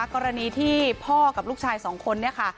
กรณีที่พ่อกับลูกชายสองคนเนี่ยค่ะ